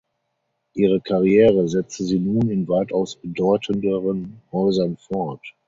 Ihre Karriere setzte sie nun in weitaus bedeutenderen Häusern fort.